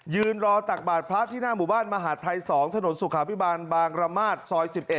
ยืนรอตักบาทพระที่หน้าหมู่บ้านมหาดไทย๒ถนนสุขาพิบาลบางระมาทซอย๑๑